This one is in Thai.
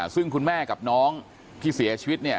ซึ่งคุณแม่กับน้องที่เสียชีวิตเนี่ย